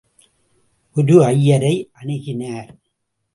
ஒரு ஐயரை அணுகினார்.